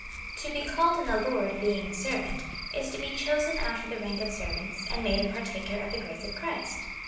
To be called in the Lord, being a servant, is to be chosen out of the rank of servants, and made a partaker of the grace of Christ.